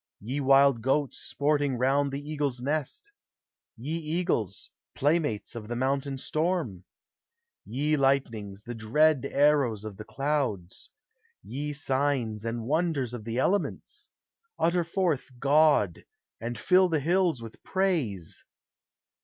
Ye wild goats sporting round the eagle's nest ! Ye eagles, playmates of the mountain storm ! IV — s 18 THE HIGHER LIFE. Ye lightnings, the dread arrows of the clouds! Ye signs and wonders of the elements ! Utter forth God, and fill the hills with praise!